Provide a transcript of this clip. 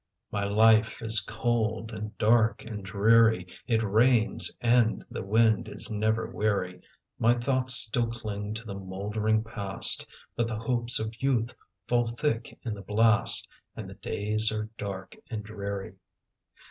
My life is cold, and dark, and dreary; It rains, and the wind is never weary; My thoughts still cling to the mouldering past, But the hopes of youth fall thick in the blast, And the days are dark and dreary.